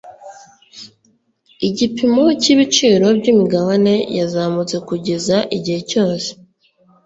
Igipimo cyibiciro byimigabane yazamutse kugeza igihe cyose.